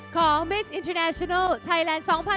ของมิสอินเทอร์แนชันัลไทยแลนด์๒๐๑๖